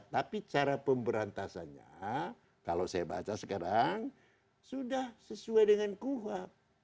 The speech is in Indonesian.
tapi cara pemberantasannya kalau saya baca sekarang sudah sesuai dengan kuhap